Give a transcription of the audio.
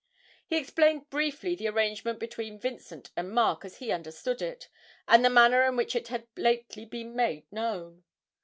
He explained briefly the arrangement between Vincent and Mark as he understood it, and the manner in which it had lately been made known.